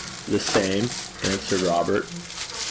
'The same,' answered Robert.